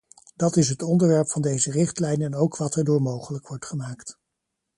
Dat is het onderwerp van deze richtlijn en ook wat erdoor mogelijk wordt gemaakt.